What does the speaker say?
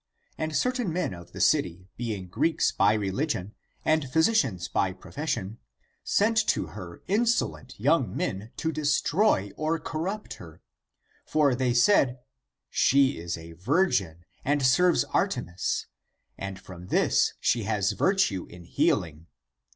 And cer tain men of the city, being Greeks by religion, and physi cians by profession, sent to her insolent young men to de stroy (or corrupt) her. For they said: She is a virgin, and serves Artemis, and from this she has virtue in healing.